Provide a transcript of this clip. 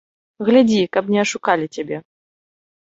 Глядзі, каб не ашукалі цябе.